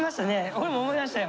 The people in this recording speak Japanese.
俺も思いましたよ。